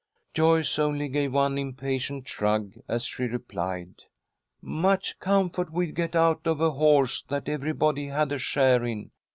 Joyce only gave an impatient shrug as she replied: "Much comfort we'd get out of a horse that everybody had a share in.